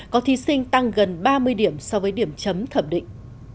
có thí sinh tăng gần ba mươi điểm so với điểm chấm thẩm định